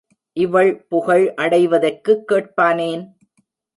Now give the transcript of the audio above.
இவள் புகழ் அடைவதற்குக் கேட்பானேன்!